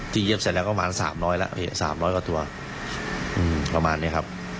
ที่เย็บเสร็จแล้วก็ประมาณ๓๐๐ละประมาณนี้ครับ